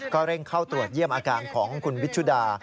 เร่งเข้าตรวจเยี่ยมอาการของคุณวิชุดา